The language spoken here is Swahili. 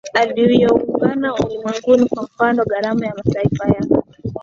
iliyoungana ulimwenguni Kwa mfano gharama ya kimataifa ya